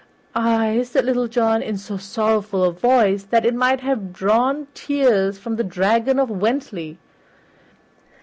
"Ay," said Little John in so sorrowful a voice that it might have drawn tears from the Dragon of Wentley.